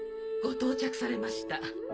到着されました。